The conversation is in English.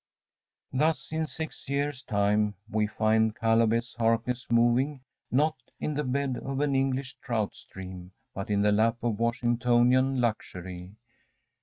Thus in six years' time we find Caleb S. Harkness moving, not in the bed of an English trout stream, but in the lap of Washingtonian luxury.